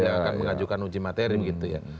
yang akan mengajukan uji materi begitu ya